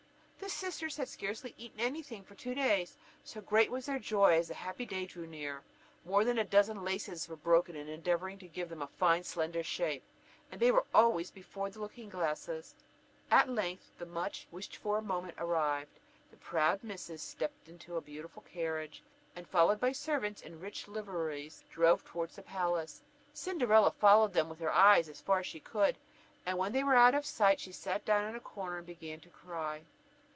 The sisters had scarcely eaten any thing for two days, so great was their joy as the happy day drew near. More than a dozen laces were broken in endeavouring to give them a fine slender shape, and they were always before the looking glass. At length the much wished for moment arrived; the proud misses stepped into a beautiful carriage, and, followed by servants in rich liveries, drove towards the palace. Cinderella followed them with her eyes as far as she could; and when they were out of sight, she sat down in a corner and began to cry.